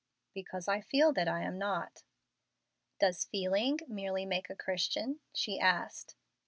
"Because I feel that I am not." "Does feeling merely make a Christian?" she asked.